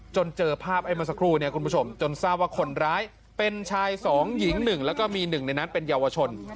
เจอภาพไอ้เมื่อสักครู่เนี่ยคุณผู้ชมจนทราบว่าคนร้ายเป็นชาย๒หญิง๑แล้วก็มีหนึ่งในนั้นเป็นเยาวชน